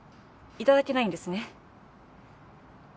いただけないんですね